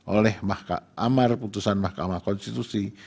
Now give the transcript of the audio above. oleh amar putusan mahkamah konstitusi